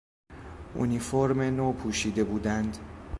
اونیفورم نو پوشیده بودند.